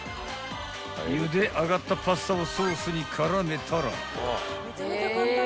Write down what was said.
［ゆで上がったパスタをソースに絡めたら］